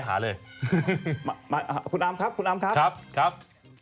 หาเลยมาคุณอามครับคุณอามครับครับ